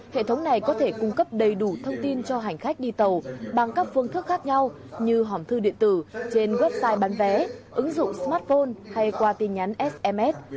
hệ thống này có thể cung cấp đầy đủ thông tin cho hành khách đi tàu bằng các phương thức khác nhau như hòm thư điện tử trên website bán vé ứng dụng smartphone hay qua tin nhắn sms